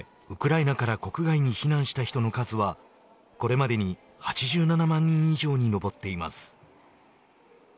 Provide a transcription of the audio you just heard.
ウクライナから国外に避難した人の数はこれまでに８７万人以上に上っています。